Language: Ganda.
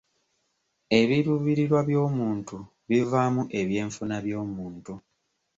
Ebiruubirirwa by'omuntu bivaamu eby'enfuna by'omuntu.